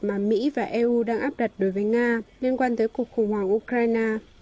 mà mỹ và eu đang áp đặt đối với nga liên quan tới cuộc khủng hoảng ukraine